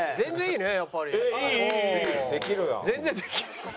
全然できる。